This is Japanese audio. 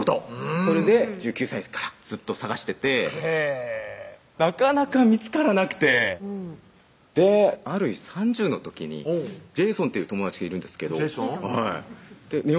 それで１９歳からずっと探しててへぇなかなか見つからなくてある日３０の時にジェイソンという友達がいるんですけどジェイソン？